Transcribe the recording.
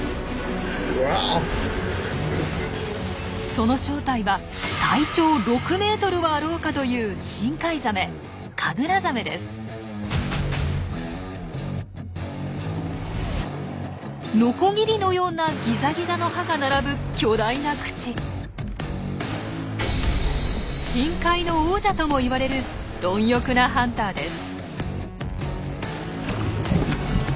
その正体は体長６ｍはあろうかという深海ザメノコギリのようなギザギザの歯が並ぶ巨大な口。とも言われる貪欲なハンターです。